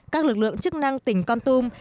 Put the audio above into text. các lực lượng chức năng tỉnh con tum